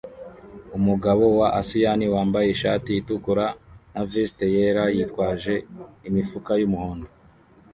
umugabo wa asiyani wambaye ishati itukura na veste yera yitwaje imifuka yumuhondo